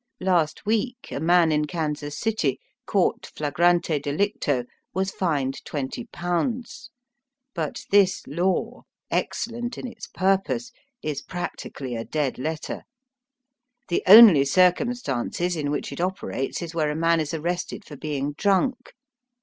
Last week a man in Kansas City, caught flagrante delicto^ was fined twenty pounds. But this law, ex cellent in its purpose, is practically a dead letter. The only circumstances in which it operates is where a man is arrested for being drunk.